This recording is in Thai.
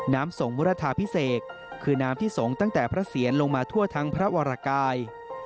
๑น้ำส่งมุรธาพิเษกคือน้ำที่ส่งตั้งแต่พระเศียรลงมาทั่วทางพระวรกาย